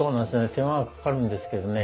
手間がかかるんですけどね